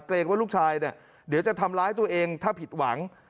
เกรงว่าลูกชายเนี่ยเดี๋ยวจะทำร้ายตัวเองถ้าผิดหวัง